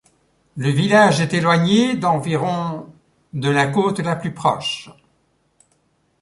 Le village est éloigné d'environ de la côte la plus proche.